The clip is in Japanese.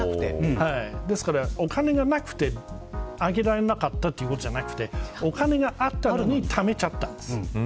ですから、お金がなくて上げられなかったというのではなくてお金があったのにためちゃったんです。